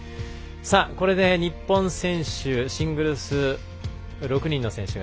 これで日本選手シングルス６人の選手が